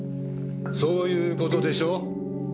そういう事でしょ？